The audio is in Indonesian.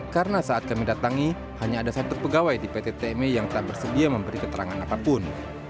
karena saat kami datangi hanya ada satu pegawai di pt tmi yang tak bersedia memberi keterangan apapun